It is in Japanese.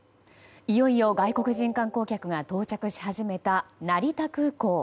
いよいよ外国人観光客が到着し始めた成田空港。